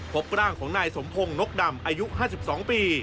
พบร่างของนายสมพงศ์นกดำอายุ๕๒ปี